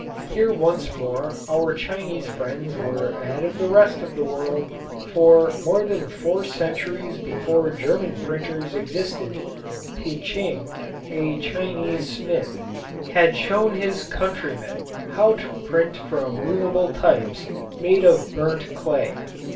Here once more our Chinese friends were ahead of the rest of the world, for, more than four centuries before German printers existed, Picheng, a Chinese smith, had shown his countrymen how to print from moveable types made of burnt clay.